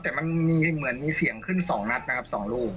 แต่มันมีเหมือนมีเสียงขึ้น๒นัดนะครับ๒ลูก